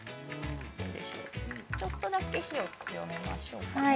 ◆ちょっとだけ火を強めましょうか。